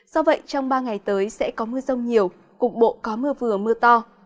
do vậy trong ba ngày tới sẽ có mưa rông nhiều cục bộ có mưa vừa mưa to